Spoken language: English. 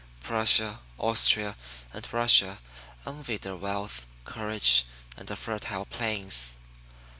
Prussia, Austria and Russia envied her wealth, courage, and her fertile plains.